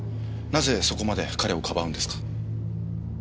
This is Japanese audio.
なぜそこまで彼をかばうんですか？